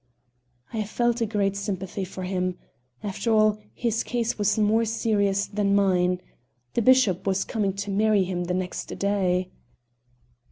I felt a great sympathy for him. After all, his case was more serious than mine. The bishop was coming to marry him the next day.